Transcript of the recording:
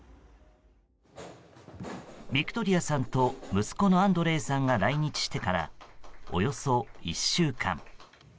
ビクトリアさんと、息子のアンドレイさんが来日してからおよそ１週間。